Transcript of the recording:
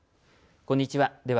こんにちは。